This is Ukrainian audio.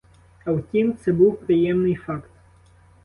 А втім, це був приємний факт.